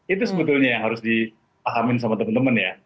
itu sebetulnya yang harus dipahamin sama temen temen ya